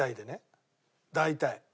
大体。